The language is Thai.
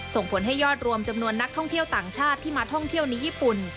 ส่งผลให้ยอดรวมจำนวนนักท่องเที่ยวต่างชาติที่มาท่องเที่ยวในญี่ปุ่น